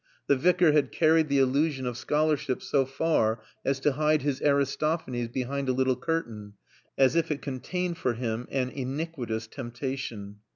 The Vicar had carried the illusion of scholarship so far as to hide his Aristophanes behind a little curtain, as if it contained for him an iniquitous temptation.